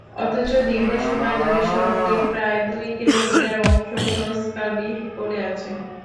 অথচ দীর্ঘ সময় ধরে সড়কটির প্রায় দুই কিলোমিটার অংশ সংস্কারবিহীন পড়ে আছে।